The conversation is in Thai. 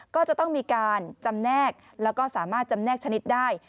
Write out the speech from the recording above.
ก็จะต้องมีการจำแนกแล้วก็สามารถจำแนกชนิดได้